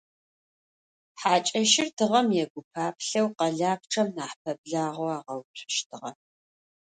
Хьакӏэщыр тыгъэм егупаплъэу къэлапчъэм нахь пэблагъэу агъэуцущтыгъэ.